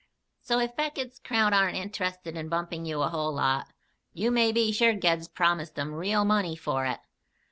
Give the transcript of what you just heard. "So, if Beckett's crowd are int'rested in bumping you a whole lot, you may be sure Ged's promised 'em real money for it."